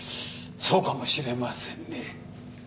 そうかもしれませんね。